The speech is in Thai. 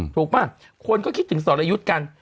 ถูกมั้งคนก็คิดถึงสรยุทธ์กัน